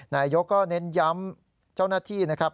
นายกก็เน้นย้ำเจ้าหน้าที่นะครับ